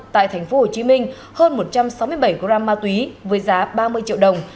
tại thành phố hồ chí minh hơn một trăm sáu mươi bảy gram ma túy với giá ba mươi triệu đồng